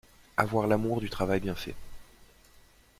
avoir l'amour du travail bien fait